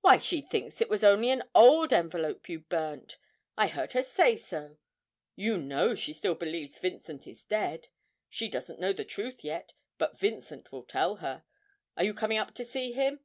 Why, she thinks it was only an old envelope you burnt I heard her say so you know she still believes Vincent is dead. She doesn't know the truth yet, but Vincent will tell her. Are you coming up to see him?'